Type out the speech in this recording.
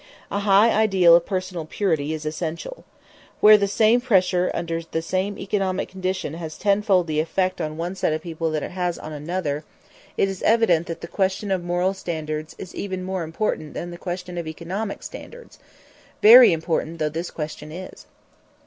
A high ideal of personal purity is essential. Where the same pressure under the same economic conditions has tenfold the effect on one set of people that it has on another, it is evident that the question of moral standards is even more important than the question of economic standards, very important though this question is.